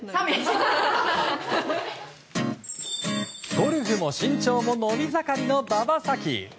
ゴルフも身長も伸び盛りの馬場咲希。